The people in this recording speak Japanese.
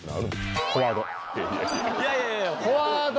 いやいや。